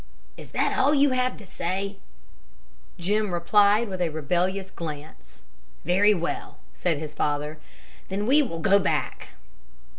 "Is that all you have to say?" Jim replied with a rebellious glance. "Very well," said his father. "Then we will go back."